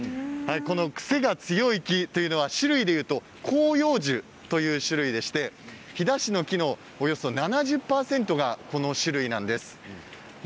癖が強い木、種類でいうと広葉樹という種類でして飛騨市の木のおよそ７０％がこの種類なんです。